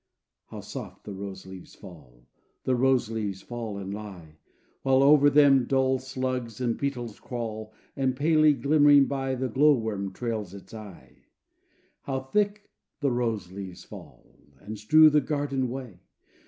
How soft the rose leaves fall The rose leaves fall and lie! While over them dull slugs and beetles crawl, And, palely glimmering by, The glow worm trails its eye. How thick the rose leaves fall, And strew the garden way!